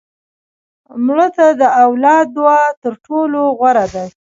مړه ته د اولاد دعا تر ټولو غوره ده